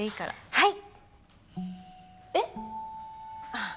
はい。